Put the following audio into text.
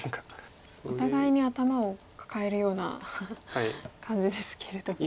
お互いに頭を抱えるような感じですけれども。